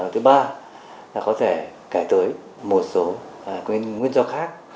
thứ ba là có thể kể tới một số nguyên do khác